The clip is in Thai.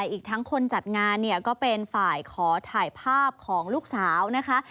อีกทั้งคนจัดงานเนี่ยก็เป็นฝ่ายขอถ่ายภาพของลูกสาวนะคะ